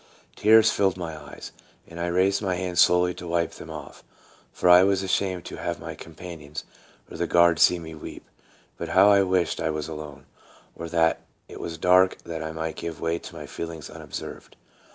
Tears filled my eyes, and I raised my hand slowly to wipe them off, for I was ashamed to have my companions or the guards see me weep ; but how I wished I was alone, or that it was dark, that I might give way to my feelings unobserved.